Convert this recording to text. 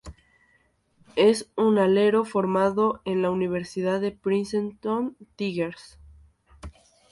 Es un alero formado en la universidad de Princeton Tigers.